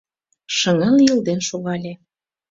Шыҥа лийылден шогале;